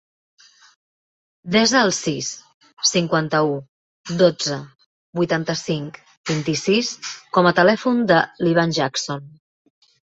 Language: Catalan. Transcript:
Desa el sis, cinquanta-u, dotze, vuitanta-cinc, vint-i-sis com a telèfon de l'Ivan Jackson.